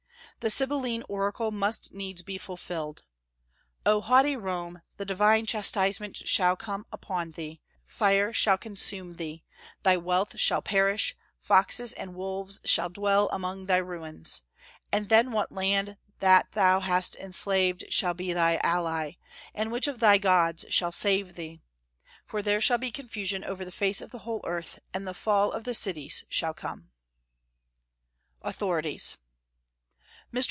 The Sibylline oracle must needs be fulfilled: "O haughty Rome, the divine chastisement shall come upon thee; fire shall consume thee; thy wealth shall perish; foxes and wolves shall dwell among thy ruins: and then what land that thou hast enslaved shall be thy ally, and which of thy gods shall save thee? For there shall be confusion over the face of the whole earth, and the fall of cities shall come." AUTHORITIES. Mr.